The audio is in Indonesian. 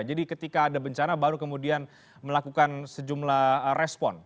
jadi ketika ada bencana baru kemudian melakukan sejumlah respon